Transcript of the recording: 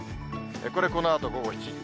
これ、このあと午後７時。